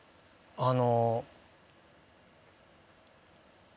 あの。